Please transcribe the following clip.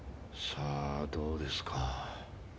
さあどうですか。